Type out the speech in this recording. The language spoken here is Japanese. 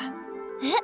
えっ！